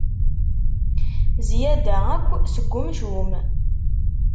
Zzyada akk seg umcum.